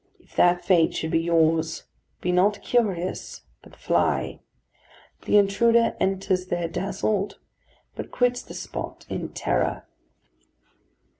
If that fate should be yours, be not curious, but fly. The intruder enters there dazzled; but quits the spot in terror.